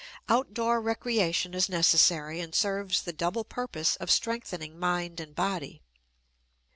Outdoor recreation is necessary and serves the double purpose of strengthening mind and body.